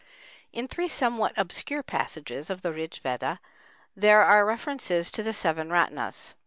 In three somewhat obscure passages of the Rig Veda there are references to the seven ratnas.